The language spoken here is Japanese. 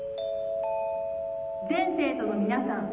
全生徒の皆さん